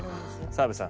澤部さん。